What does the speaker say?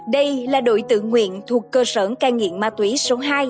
đây là đội tự nguyện thuộc cơ sở cai nghiện ma túy số hai